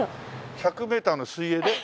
１００メーターの水泳で？